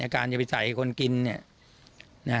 การจะไปใส่คนกิน